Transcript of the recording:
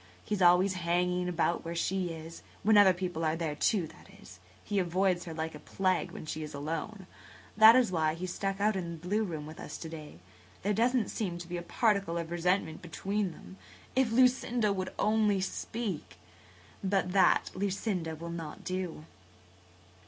He's always hanging about where she is–when other people are there, too, that is. He avoids her like a plague when she is alone. That was why he was stuck out in the blue room with us to day. There doesn't seem to be a particle of resentment between them. If Lucinda would only speak! But that Lucinda will not do."